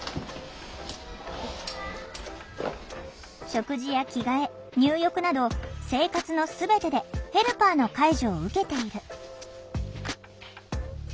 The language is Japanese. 食事や着替え入浴など生活の全てでヘルパーの介助を受けている。